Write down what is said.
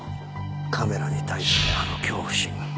カメラに対するあの恐怖心。